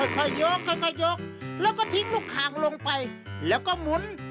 ค่อยยกค่อยยกแล้วก็ทิ้งลูกคางลงไปแล้วก็หมุน